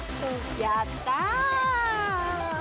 やったー。